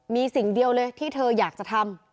มีสิ่งเดียวเลยที่เธออยากจะทำ